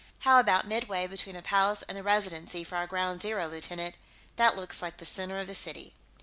"How about midway between the Palace and the Residency for our ground zero, lieutenant? That looks like the center of the city."